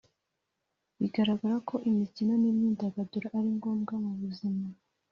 bigaragara ko imikino n’imyidagaduro ari ngombwa mu buzima